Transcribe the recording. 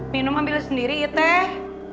minum ambil sendiri teh